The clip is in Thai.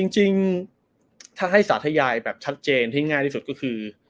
จริงถ้าให้สาธยายแบบชัดเจนที่ง่ายที่สุดก็คือ